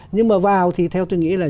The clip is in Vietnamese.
nhưng mà vào thì theo tôi nghĩ là